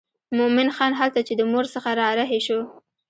مومن خان هلته چې د مور څخه را رهي شو.